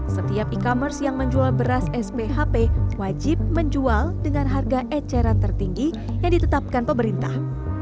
setiap e commerce yang menjual beras sbhp wajib menjual dengan harga eceran tertinggi yang ditetapkan pemerintah